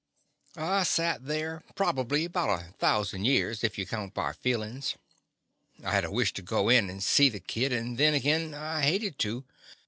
I sat there probably about a thou sand years, if you count by feelin's. I had a wish to go in and see the kid, and then, again, I hated to.